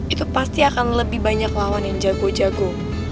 itu pasti akan lebih banyak lawan yang jago jago